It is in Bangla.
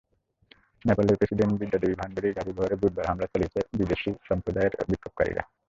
নেপালের প্রেসিডেন্ট বিদ্যা দেবী ভান্ডারির গাড়িবহরে বুধবার হামলা চালিয়েছে মদেশি সম্প্রদায়ের বিক্ষোভকারীরা।